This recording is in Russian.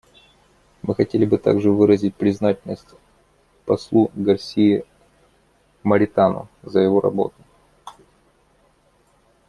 Мы хотели бы также выразить признательность послу Гарсие Моритану за его работу.